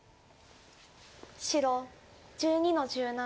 白１２の十七。